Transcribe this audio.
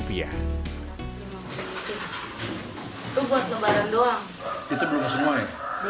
rp satu lima ratus an lusin yang kita beli toples tambahannya